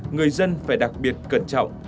người dân phải đặc biệt cẩn trọng